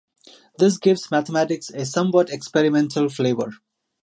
This gives mathematics a somewhat experimental flavour.